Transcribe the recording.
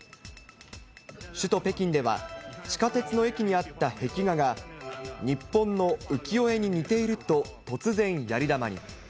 首都北京では、地下鉄の駅にあった、壁画が日本の浮世絵に似ていると突然やり玉に。